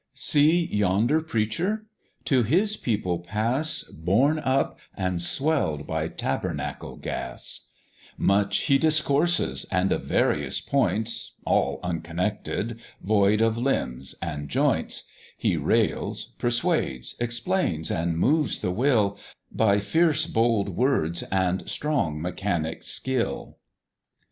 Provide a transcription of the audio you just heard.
See yonder Preacher! to his people pass, Borne up and swell'd by tabernacle gas: Much he discourses, and of various points, All unconnected, void of limbs and joints; He rails, persuades, explains, and moves the will By fierce bold words, and strong mechanic skill.